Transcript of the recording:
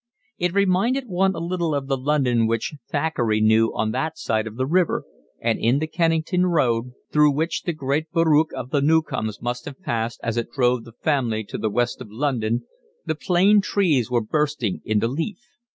It reminded one a little of the London which Thackeray knew on that side of the river, and in the Kennington Road, through which the great barouche of the Newcomes must have passed as it drove the family to the West of London, the plane trees were bursting into leaf.